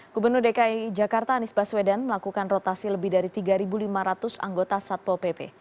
gubernur dki jakarta anies baswedan melakukan rotasi lebih dari tiga lima ratus anggota satpol pp